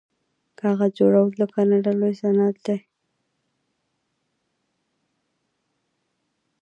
کاغذ جوړول د کاناډا لوی صنعت دی.